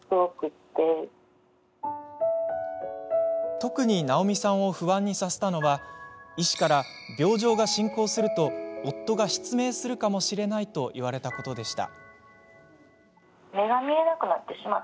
特に、なおみさんを不安にさせたのは医師から、病状が進行すると夫が失明するかもしれないと言われたことでした。